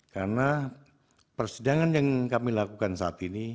karena persidangan yang kami lakukan saat ini